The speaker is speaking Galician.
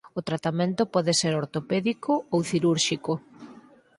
O tratamento pode ser ortopédico ou cirúrxico.